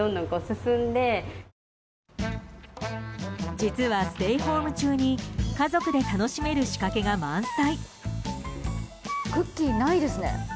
実はステイホーム中に家族で楽しめる仕掛けが満載。